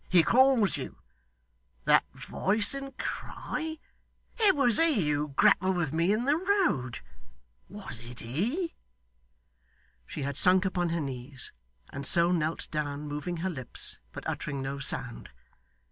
'He calls you. That voice and cry! It was he who grappled with me in the road. Was it he?' She had sunk upon her knees, and so knelt down, moving her lips, but uttering no sound.